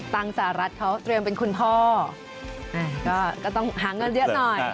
สหรัฐเขาเตรียมเป็นคุณพ่อก็ต้องหาเงินเยอะหน่อย